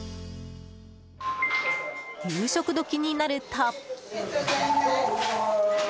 夕食時になると。